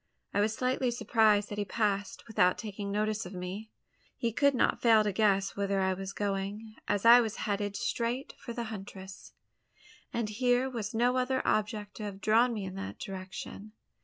I was slightly surprised that he passed, without taking notice of me! He could not fail to guess whither I was going: as I was heading straight for the huntress; and here was no other object to have drawn me in that direction.